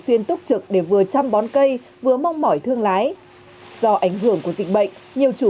xuyên túc trực để vừa chăm bón cây vừa mong mỏi thương lái do ảnh hưởng của dịch bệnh nhiều chủ